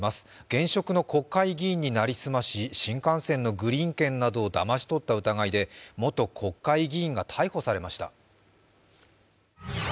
現職の国会議員になりすまし、新幹線のグリーン券などをだまし取った疑いで元国会議員が逮捕されました。